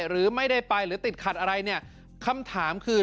หรือไม่ได้ไปหรือติดขัดอะไรเนี่ยคำถามคือ